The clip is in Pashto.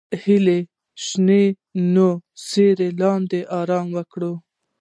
هیلۍ د شنو ونو تر سیوري لاندې آرام کوي